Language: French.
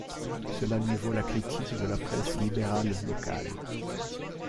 Cela lui vaut la critique de la presse libérale locale.